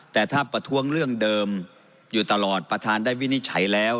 แต่ถ้าประท้วงเรื่องเดิมอยู่ตลอดประธานได้วินิจฉัยแล้ว